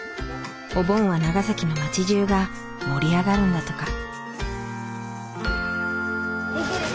お盆は長崎の町じゅうが盛り上がるんだとか。